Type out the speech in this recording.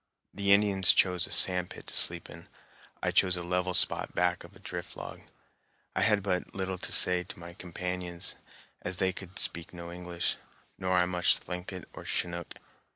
The Indians chose a sand pit to sleep in; I chose a level spot back of a drift log. I had but little to say to my companions as they could speak no English, nor I much Thlinkit or Chinook.